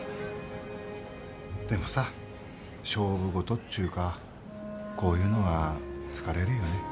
でもさ勝負事っちゅうかこういうのは疲れるよね。